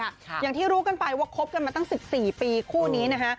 อย่างที่รู้กันไปว่าคบกันมาตั้งสิบสี่ปีคู่นี้นะฮะ